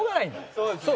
そうですね。